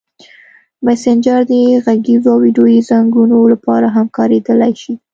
مسېنجر د غږیزو او ویډیويي زنګونو لپاره هم کارېدلی شي.